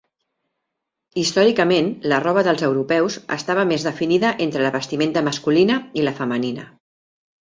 Històricament, la roba dels europeus estava més definida entre la vestimenta masculina i la femenina.